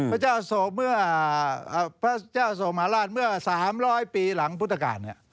พระเจ้าอโศกมหลาดเมื่อ๓๐๐ปีหลังพุทธกาล